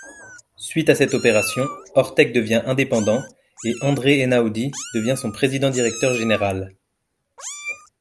Suite à cette opération, Ortec devient indépendant, et André Einaudi devient son Président- Directeur-Général.